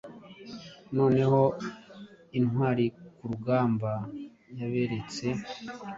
Noneho intwarikurugamba yaberetse